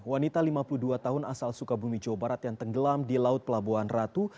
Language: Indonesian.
wanita lima puluh dua tahun asal sukabumi jawa barat yang tenggelam di laut pelabuhan ratu